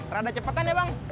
rada cepetan ya bang